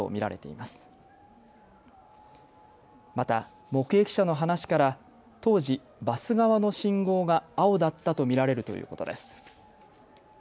また目撃者の話から当時、バス側の信号が青だったと見られるということです。